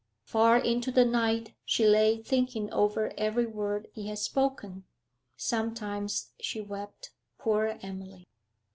Far into the night she lay thinking over every word he had spoken. Sometimes she wept poor Emily!